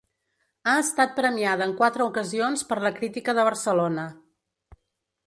Ha estat premiada en quatre ocasions per la crítica de Barcelona.